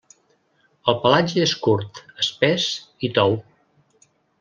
El pelatge és curt, espès i tou.